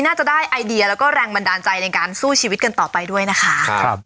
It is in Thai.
น่าจะได้ไอเดียแล้วก็แรงบันดาลใจในการสู้ชีวิตกันต่อไปด้วยนะคะครับ